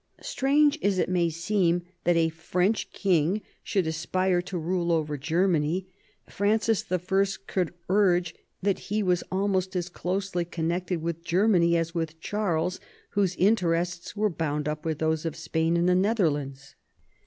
Strange as it may seem that a French king should aspire to rule over Germany, Francis I. could urge that he was almost as closely connected with Germany as was Charles, whose interests were bound up with those of Spain and the Netherlands.